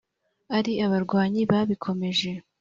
ari abarwanyi babikomeje